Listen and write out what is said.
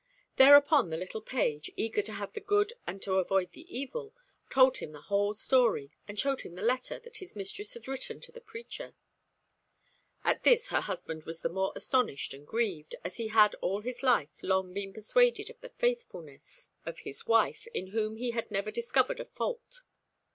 Thereupon the little page, eager to have the good and to avoid the evil, told him the whole story, and showed him the letter that his mistress had written to the preacher. At this her husband was the more astonished and grieved, as he had all his life long been persuaded of the faithfulness of his wife, in whom he had never discovered a fault.